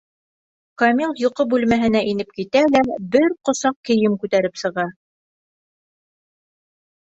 Камил йоҡо бүлмәһенә инеп китә лә бер ҡосаҡ кейем күтәреп сыга.